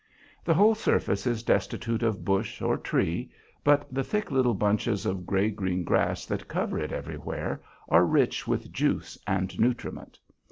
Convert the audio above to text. The whole surface is destitute of bush or tree, but the thick little bunches of gray green grass that cover it everywhere are rich with juice and nutriment.